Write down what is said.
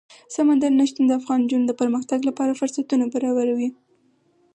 سمندر نه شتون د افغان نجونو د پرمختګ لپاره فرصتونه برابروي.